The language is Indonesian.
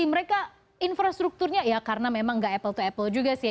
mereka infrastrukturnya ya karena memang nggak apple to apple juga sih ya